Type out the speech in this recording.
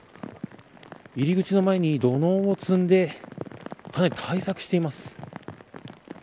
入り口の前に土のうを積んでかなり対策しています。